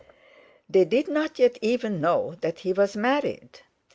They did not yet even know that he was married.